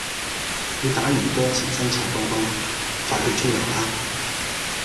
你打完波成身臭肨肨快去沖涼啦